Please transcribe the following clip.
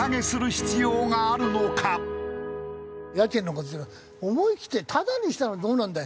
果たして思い切ってタダにしたらどうなんだよ？